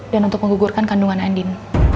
dan untuk menggugurkan kandungan andin